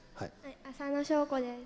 浅野笑子です。